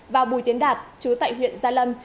và bùi tiến đạt chú tại huyện gia lâm